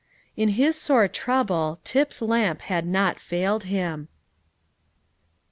In his sore trouble, Tip's lamp had not failed him.